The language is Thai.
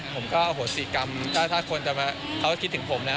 ผมก็โหดสิกรรมก็ถ้าคนจะมาเขาคิดถึงผมนะ